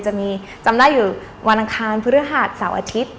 จะมีจำได้อยู่วันอังคารพฤหัสเสาร์อาทิตย์